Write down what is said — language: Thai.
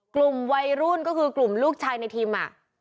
กลุ่มวัยรุ่นก็คือกลุ่มลูกชายในทีม